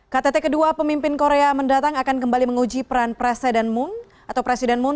ktt kedua pemimpin korea mendatang akan kembali menguji peran presiden moon